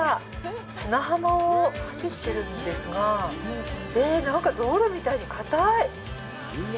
砂浜を走ってるんですが道路みたいに硬い！